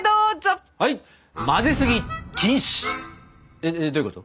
えっどういうこと？